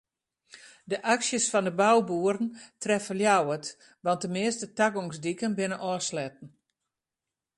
De aksjes fan de bouboeren treffe Ljouwert want de measte tagongsdiken binne ôfsletten.